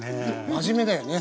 真面目だよね。